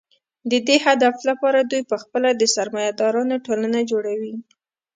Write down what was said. د دې هدف لپاره دوی په خپله د سرمایه دارانو ټولنه جوړوي